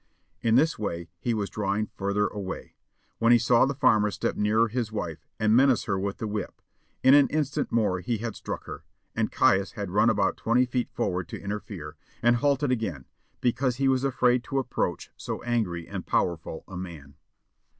In this way he was drawing further away, when he saw the farmer step nearer his wife and menace her with the whip; in an instant more he had struck her, and Caius had run about twenty feet forward to interfere, and halted again, because he was afraid to approach so angry and powerful a man.